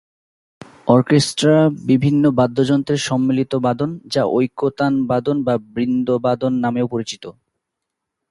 Orchestra বিভিন্ন বাদ্যযন্ত্রের সম্মিলিত বাদন, যা ঐকতানবাদন বা বৃন্দবাদন নামেও পরিচিত।